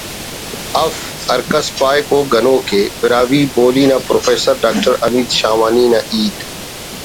اف…… ہر کس پاہک او گنوکءِ…… براہوئی بولی نا پروفیسر ڈاکٹر حمید شاہوانی نا ہیت